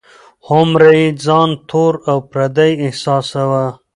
هومره یې ځان تور او پردی احساساوه.